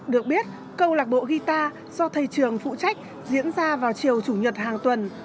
được biết câu lạc bộ guitar do thầy trường phụ trách diễn ra vào chiều chủ nhật hàng tuần